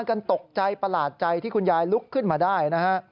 กันตกใจประหลาดใจที่คุณยายลุกขึ้นมาได้นะฮะ